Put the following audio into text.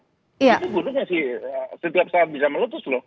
itu buruhnya sih setiap saat bisa meletus loh